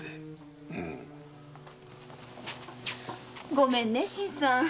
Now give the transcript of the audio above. ごめんね新さん。